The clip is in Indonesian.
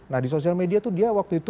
nah di sosial media tuh dia waktu itu